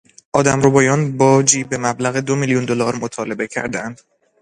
آدمربایان باجی به مبلغ دو میلیون دلار مطالبه کردهاند.